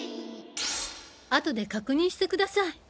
後で確認してください。